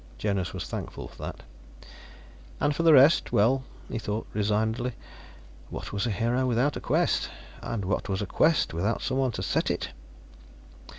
Jonas was thankful for that. And for the rest well, he thought resignedly, what was a hero without a quest? And what was a quest without someone to set it?